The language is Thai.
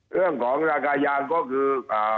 เรื่องของราคายางก็คือ